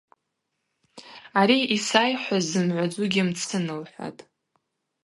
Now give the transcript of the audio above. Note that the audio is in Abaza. Ари йсайхӏвуаз зымгӏвадзугьи мцын,— лхӏватӏ.